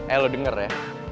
eh lo denger ya